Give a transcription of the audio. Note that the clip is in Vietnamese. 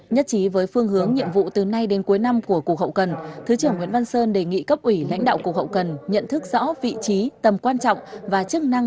nhất trí với phương hướng nhiệm vụ từ nay đến cuối năm của cục hậu cần thứ trưởng nguyễn văn sơn đề nghị cấp ủy lãnh đạo cục hậu cần nhận thức rõ vị trí tầm quan trọng và chức năng